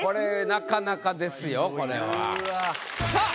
なかなかですよこれは。さあ。